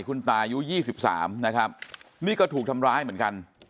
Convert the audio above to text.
คุณตายุ๒๓นะครับนี่ก็ถูกทำร้ายเหมือนกัน